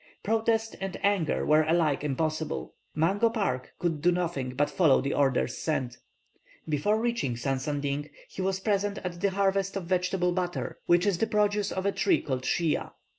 Protest and anger were alike impossible; Mungo Park could do nothing but follow the orders sent. Before reaching Sansanding, he was present at the harvest of vegetable butter, which is the produce of a tree called Shea.